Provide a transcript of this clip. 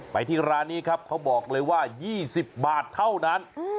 ไปที่ร้านนี้ครับเขาบอกเลยว่า๒๐บาทเท่านั้น